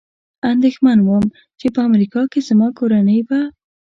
اندېښمن ووم، چې په امریکا کې زما کورنۍ به.